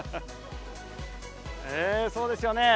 そうですよね。